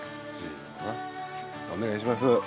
お願いします。